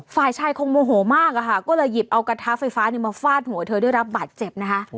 ฝ่ายชายคงโมโหมากอะค่ะก็เลยหยิบเอากระทะไฟฟ้ามาฟาดหัวเธอได้รับบาดเจ็บนะคะ